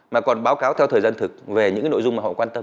mà còn báo cáo theo thời gian thực về những cái nội dung mà họ quan tâm